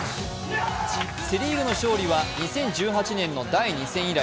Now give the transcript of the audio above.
セ・リーグの勝利は２０１８年の第２戦以来、